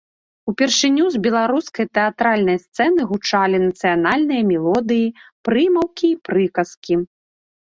Упершыню з беларускай тэатральнай сцэны гучалі нацыянальныя мелодыі, прымаўкі і прыказкі.